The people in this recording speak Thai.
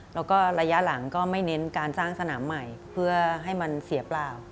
แล้วก็ระยะหลังก็ไม่เน้นการสร้างสนามใหม่เพื่อให้มันเสียเปล่า